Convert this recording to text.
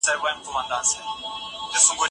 استاد وویل چي ستا څېړنه ډېره ښه ده.